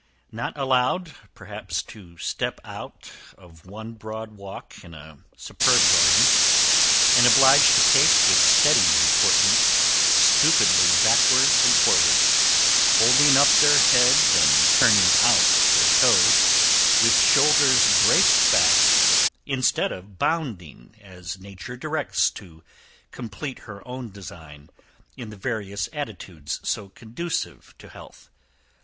Not allowed, perhaps, to step out of one broad walk in a superb garden, and obliged to pace with steady deportment stupidly backwards and forwards, holding up their heads, and turning out their toes, with shoulders braced back, instead of bounding, as nature directs to complete her own design, in the various attitudes so conducive to health.